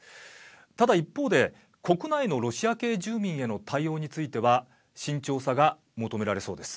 ただ一方で国内のロシア系住民への対応については慎重さが求められそうです。